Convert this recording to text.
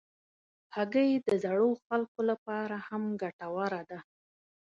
هګۍ د زړو خلکو لپاره هم ګټوره ده.